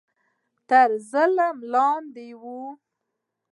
تر ظلم لاندې وو